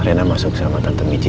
reyna masuk sama tante michi